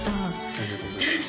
ありがとうございます